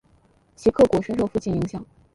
齐克果深受父亲影响。